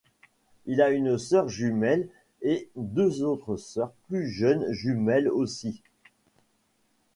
Il a une sœur jumelle et deux autres sœurs plus jeunes jumelles aussi.